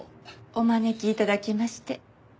お招き頂きまして。